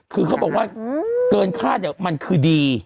คือเขาบอกว่าเกินคาดเนี่ยมันคือดี